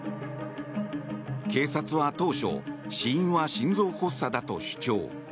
警察は当初死因は心臓発作だと主張。